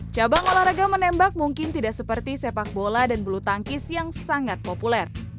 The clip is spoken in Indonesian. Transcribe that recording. cabang olahraga menembak mungkin tidak seperti sepak bola dan bulu tangkis yang sangat populer